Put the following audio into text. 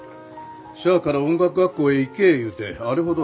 しゃあから音楽学校へ行けえ言うてあれほど。